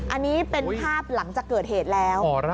อันนี้เป็นภาพหลังจากเกิดเหตุแล้ว